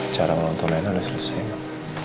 cara menonton rena udah selesai mak